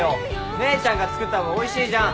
姉ちゃんが作った方がおいしいじゃん。